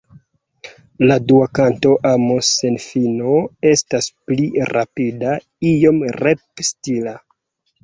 La dua kanto Amo sen fino estas pli rapida, iom rep-stila.